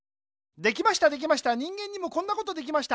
できましたできました人間にもこんなことできました。